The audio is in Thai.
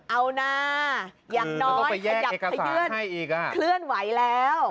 เอานะอย่างน้อยขยับขยื่นเคลื่อนไหวแล้ว